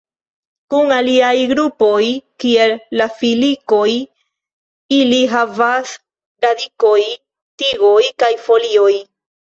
Kun aliaj grupoj, kiel la filikoj, ili havas radikoj, tigoj kaj folioj.